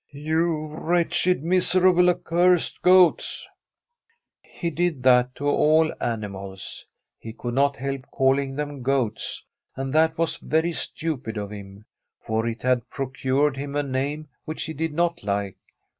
' You wretched, miserable, accursed goats !' He did that to all animals. He could not help calling them goats, and that was very stupid of him, for it had procured him a name which he did not like.